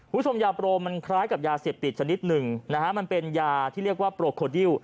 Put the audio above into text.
คุณผู้ชมยาโปรมันคล้ายกับยาเสพติดชนิดหนึ่งนะฮะมันเป็นยาที่เรียกว่าโปรโคดิล